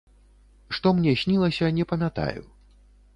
Што мне снілася, не памятаю.